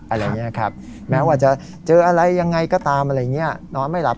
อะไรอย่างนี้ครับแม้ว่าจะเจออะไรยังไงก็ตามอะไรอย่างนี้นอนไม่หลับ